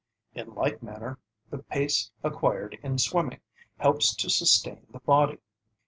In like manner the pace acquired in swimming helps to sustain the body.